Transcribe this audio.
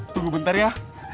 tunggu bentar ya